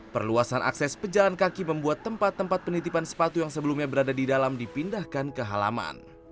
perluasan akses pejalan kaki membuat tempat tempat penitipan sepatu yang sebelumnya berada di dalam dipindahkan ke halaman